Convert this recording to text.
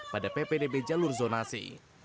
pada ppdb jalur zonasi